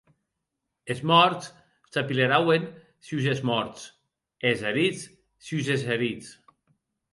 Es mòrts s’apilerauen sus es mòrts, e es herits sus es herits.